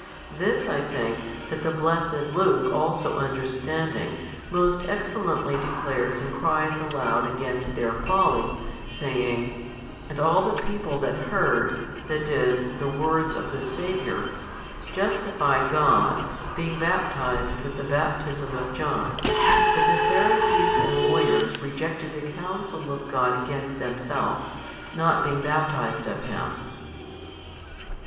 This I think that the blessed Luke also understanding, most excellently declares and cries aloud against their folly, saying, And all the people that heard, that is, the words of the Saviour, justified God, being baptized with the baptism of John: but the Pharisees and lawyers rejected the counsel of God against themselves, being not baptized of him.